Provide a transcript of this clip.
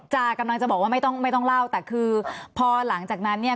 กำลังจะกำลังจะบอกว่าไม่ต้องไม่ต้องเล่าแต่คือพอหลังจากนั้นเนี่ย